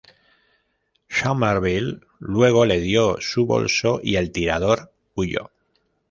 Somerville luego le dio su bolso, y el tirador huyó.